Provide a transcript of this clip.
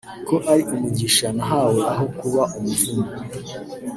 ko ari umugisha nahawe aho kuba umuvumo